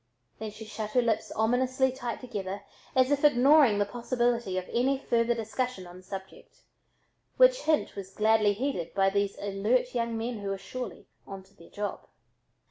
Then she shut her lips ominously tight together as if ignoring the possibility of any further discussion on the subject, which hint was gladly heeded by these alert young men who were surely "onto their job."